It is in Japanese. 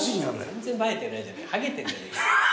全然映えてないじゃないハゲてんじゃねえか。